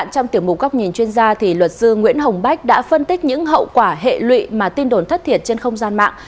trong tiểu mục góc nhìn chuyên gia luật sư nguyễn hồng bách đã phân tích những hậu quả hệ lụy mà tin đồn thất thiệt trên không gian mạng